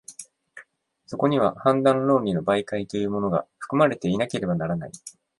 そこには判断論理の媒介というものが、含まれていなければならない。